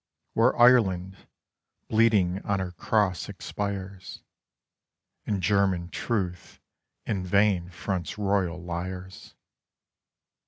Where Ireland, bleeding on her Cross expires, And German truth in vain fronts royal liars.